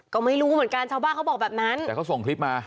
ก็ไม่รู้เหมือนกันชาวบ้านเขาบอกแบบนั้นแต่เขาส่งคลิปมา